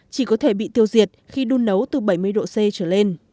chỉ có thể bị tiêu diệt khi đun nấu từ bảy mươi độ c trở lên